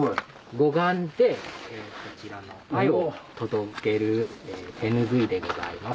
五感でこちらの愛を届ける手拭いでございます。